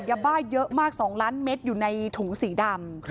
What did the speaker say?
ยาบ้าเยอะมาก๒ล้านเม็ดอยู่ในถุงสีดำ